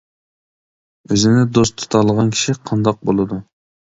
ئۆزىنى دوست تۇتالىغان كىشى قانداق بولىدۇ.